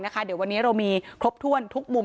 เดี๋ยววันนี้เรามีครบถ้วนทุกมุม